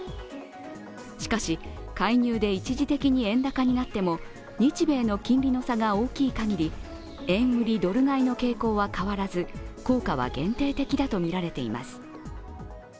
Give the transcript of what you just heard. しかし、介入で一時的に円高になっても、日米の金利の差が大きいかぎり、円売りドル買いの傾向は変わらず効果は限定的だとみられています。